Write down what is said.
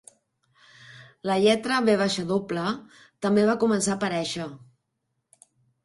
La lletra "w" també va començar a aparèixer.